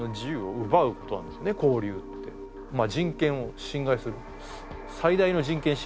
人権を侵害する。